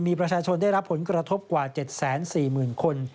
มีประชาชนได้รับผลกระทบกว่า๗๔๐๐๐คน